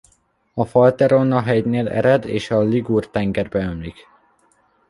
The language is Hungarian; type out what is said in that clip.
A Falterona-hegynél ered és a Ligur-tengerbe ömlik.